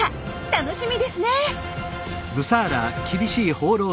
楽しみですね！